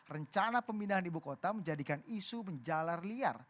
rencana pemindahan ibu kota menjadikan isu menjalar liar